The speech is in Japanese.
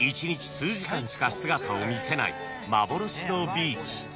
［しか姿を見せない幻のビーチ］